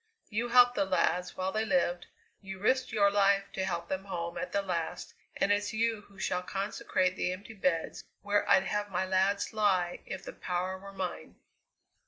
You helped the lads while they lived; you risked your life to help them home at the last; and it's you who shall consecrate the empty beds where I'd have my lads lie if the power were mine!"